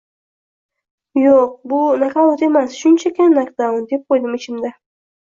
Yo‘q, bu nokaut emas, shunchaki nokdaun, deb qo‘ydim ichimda